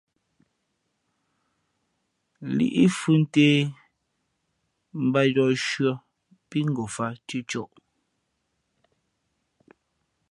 Líʼ fhʉ̄ ntē mbāt yōh shʉ̄ᾱ pí ngofāt cʉ̄cǒ.